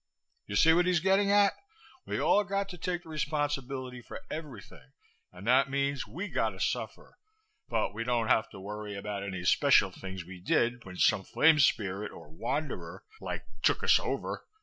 You see what he's getting at? We all got to take the responsibility for everything and that means we got to suffer but we don't have to worry about any special things we did when some flame spirit or wanderer, like, took us over.